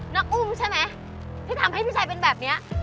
อุ้มใช่ไหมที่ทำให้พี่ชัยเป็นแบบนี้